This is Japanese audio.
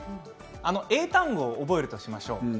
英単語を覚えるとしましょう。